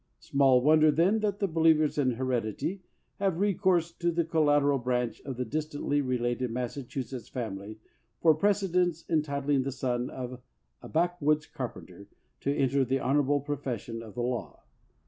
Small wonder, then, that the believers in heredity have recourse to the collateral branch of the dis tantly related Massachusetts family for prece dents entitling the son of a backwoods carpenter to enter the honorable profession of the law.